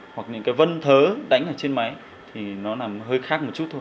hoặc những cái vân thớ đánh ở trên máy thì nó nằm hơi khác một chút thôi